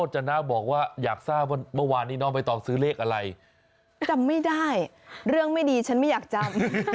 จำไม่ได้เรื่องไม่ดีฉันไม่อยากจำ